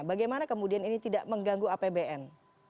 bagaimana kemudian ini tidak mengganggu apbn